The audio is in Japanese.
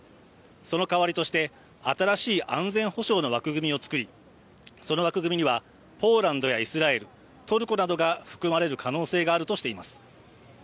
その代わりとして、新しい安全保障の枠組みを作り、その枠組みにはポーランドやイスラエルトルコなどが含まれる可能性があるとしています。